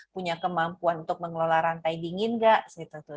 punya kemampuan untuk mengelola rantai dingin nggak gitu